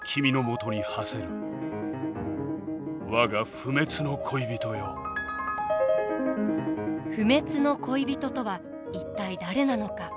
「不滅の恋人」とは一体誰なのか？